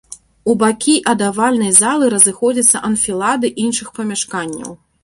У бакі ад авальнай залы разыходзяцца анфілады іншых памяшканняў.